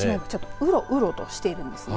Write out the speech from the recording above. うろうろとしているんですね。